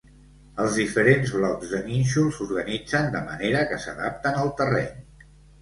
Els diferents blocs de nínxols s'organitzen de manera que s'adapten al terreny.